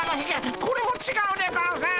これもちがうでゴンス！